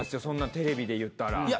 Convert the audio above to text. そんなテレビで言ったら。